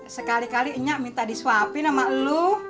sekali kali nyak minta disuapin sama lu